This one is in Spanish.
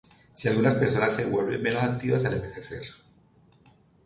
algunas personas se vuelven menos activas al envejecer